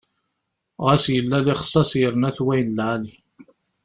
Ɣas yella lixsas yerna-t wayen n lɛali.